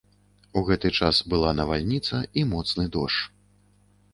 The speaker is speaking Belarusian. У гэты час была навальніца і моцны дождж.